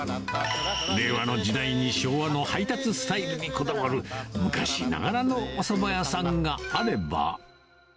令和の時代に昭和の配達スタイルにこだわる昔ながらのおそば屋さんがあれば。